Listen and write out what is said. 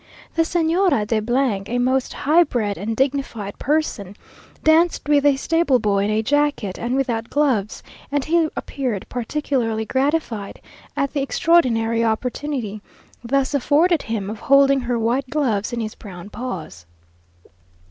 The Señora de , a most high bred and dignified person, danced with a stable boy in a jacket and without gloves, and he appeared particularly gratified at the extraordinary opportunity thus afforded him of holding her white gloves in his brown paws.